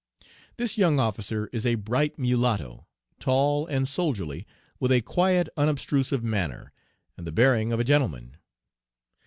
"This young officer is a bright mulatto, tall and soldierly, with a quiet unobtrusive manner, and the bearing of a gentleman.